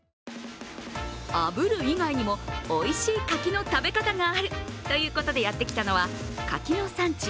あぶる以外にもおいしい柿の食べ方があるということでやってきたのは柿の産地